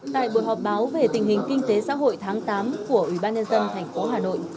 tại buổi họp báo về tình hình kinh tế xã hội tháng tám của ủy ban nhân dân thành phố hà nội